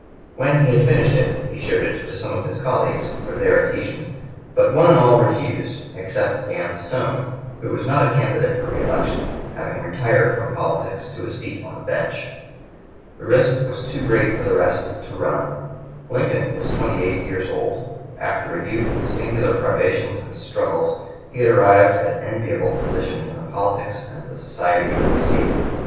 When he had finished it he showed it to some of his colleagues for their adhesion; but one and all refused, except Dan Stone, who was not a candidate for reelection, having retired from politics to a seat on the bench. The risk was too great for the rest to run. Lincoln was twenty eight years old; after a youth, of singular privations and struggles he had arrived at an enviable position in the politics and the society of the State.